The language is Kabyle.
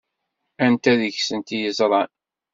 Anta deg-sent i yeẓṛan?